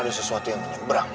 ada sesuatu yang menyebrang